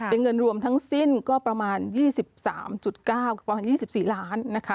เป็นเงินรวมทั้งสิ้นก็ประมาณ๒๓๙๒๔ล้านนะคะ